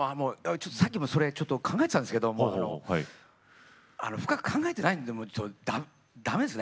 さっきもそれを考えていたんですけど深く考えていないのでだめですね。